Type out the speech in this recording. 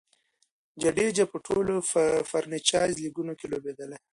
جډیجا په ټولو فرنچائز لیګونو کښي لوبېدلی.